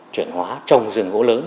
chuyển hóa trồng rừng gỗ lớn